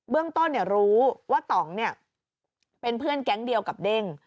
เรื่องต้นรู้ว่าต่องเป็นเพื่อนแก๊งเดียวกับเด้ง